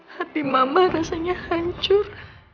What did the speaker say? hati mama rasanya hancur